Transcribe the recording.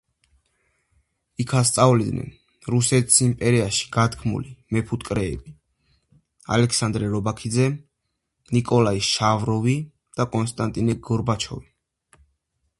იქ ასწავლიდნენ რუსეთის იმპერიაში განთქმული მეფუტკრეები: ალექსანდრე რობაქიძე, ნიკოლაი შავროვი და კონსტანტინე გორბაჩოვი.